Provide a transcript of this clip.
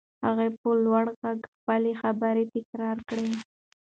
هغه په لوړ غږ خپلې خبرې تکرار کړې.